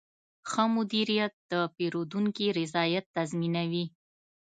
ښه مدیریت د پیرودونکي رضایت تضمینوي.